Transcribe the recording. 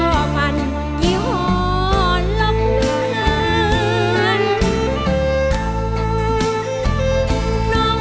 เพราะฟันกิ้วห่อนหลับเหลือน